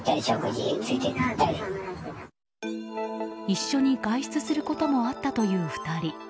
一緒に外出することもあったという２人。